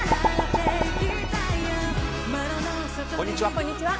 こんにちは。